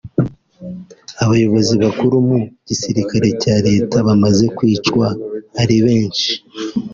abayobozi bakuru mu gisirikare cya leta bamaze kwicwa ari benshi